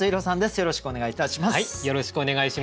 よろしくお願いします。